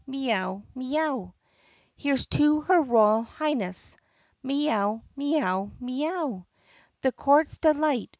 Mee ow! Mee ow! "Here 's to her Royal Highness! Mee ow! Mee ow! Mee ow! The court *s delight!